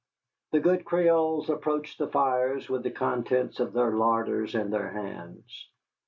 The good Creoles approached the fires with the contents of their larders in their hands.